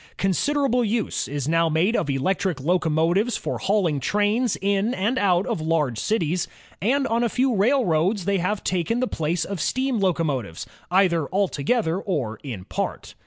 Considerable use is now made of electric locomotives for hauling trains in and out of large cities, and on a few railroads they have taken the place of steam locomotives, either altogether or in part.